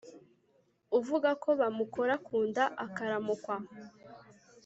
uvuga ko ba mukora ku nda akaramukwa